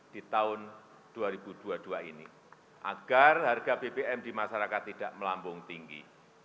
di tahun dua ribu dua puluh dua ini agar harga bbm di masyarakat tidak melambung tinggi